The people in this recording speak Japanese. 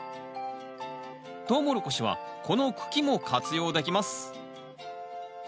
トウモロコシはこの茎も活用できます